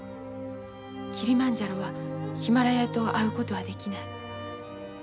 キリマンジャロはヒマラヤと会うことはできない。